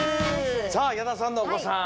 さあ矢田さんのおこさん